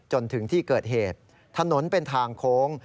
จนถึงที่เกิดเหตุถนนเป็นทางโค้ง